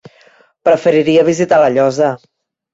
Preferiria visitar La Llosa.